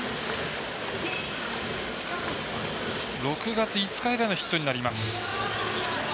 ６月５日以来のヒットになります。